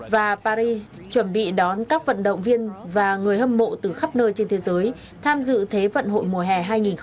và paris chuẩn bị đón các vận động viên và người hâm mộ từ khắp nơi trên thế giới tham dự thế vận hội mùa hè hai nghìn hai mươi bốn